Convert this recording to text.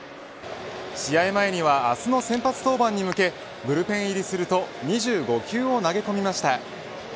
試合前には明日の先発登板に向けブルペン入りすると２５球を投げ込みました。